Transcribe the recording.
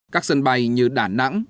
các sân bay như đà nẵng